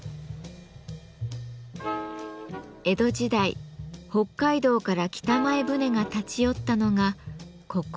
江戸時代北海道から北前船が立ち寄ったのがここ敦賀でした。